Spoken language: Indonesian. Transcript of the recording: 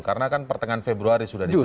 karena kan pertengahan februari sudah diberikan